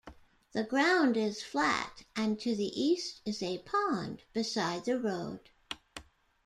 The ground is flat, and to the east is a pond beside the road.